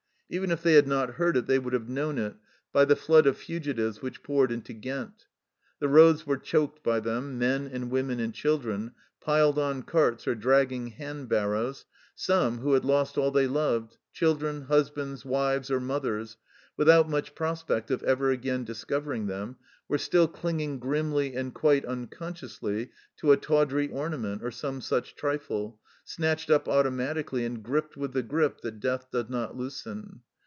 Even if they had not heard it they IN THE THICK OF A BATTLE 29 would have known it by the flood of fugitives which poured into Ghent. The roads were choked by them, men and women and children, piled on carts or dragging handbarrows, some, who had lost all they loved children, husbands, wives, or mothers, without much prospect of ever again discovering them were still clinging grimly and quite unconsciously to a tawdry ornament or some such trifle, snatched up automatically and gripped with the grip that death does not loosen.